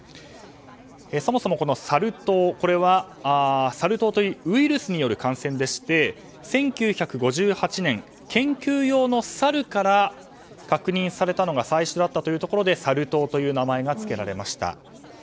そもそも、サル痘はサル痘ウイルスによる感染でして１９５８年、研究用のサルから確認されたのが最初だったというところでサル痘という名前を付けられました。